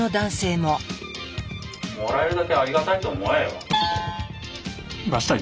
もらえるだけありがたいと思えよ。